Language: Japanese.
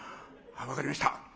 「分かりました。